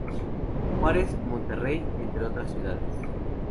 Juárez, Monterrey, entre otras ciudades.